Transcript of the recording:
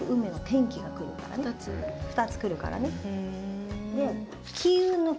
２つ来るからね。